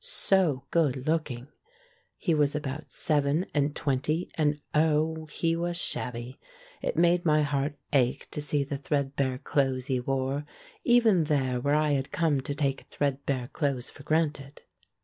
So good looking ! He was about seven and twenty, and, oh! he was shabby. It made my heart ache to see the threadbare clothes he wore, even there where I had come to take threadbare clothes for granted.